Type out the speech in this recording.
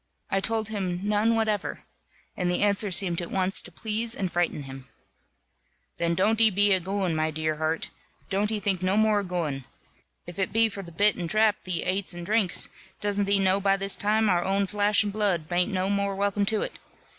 I told him, "None whatever;" and the answer seemed at once to please and frighten him. "Then don't e be a gooin', my dear heart, don't e think no more of gooin. If it be for the bit and drap thee ates and drinks, doesn't thee know by this time, our own flash and blood bain't no more welcome to it!